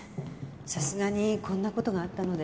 さすがにこんな事があったので。